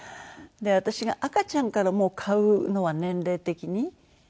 私が赤ちゃんからもう飼うのは年齢的に。